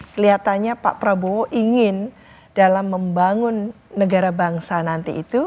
kelihatannya pak prabowo ingin dalam membangun negara bangsa nanti itu